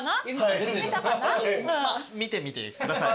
見てみてください。